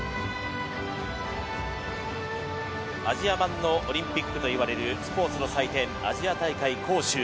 アジア版のオリンピックといわれるスポーツの祭典アジア大会杭州。